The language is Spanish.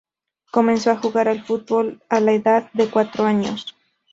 Comenzó a jugar al fútbol a la edad de cuatro años.